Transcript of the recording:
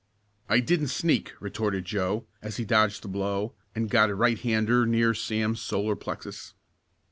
"I didn't sneak!" retorted Joe, as he dodged the blow and got a right hander near Sam's solar plexus.